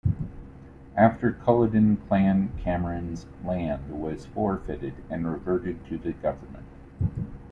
After Culloden Clan Cameron's land was forfeited and reverted to the government.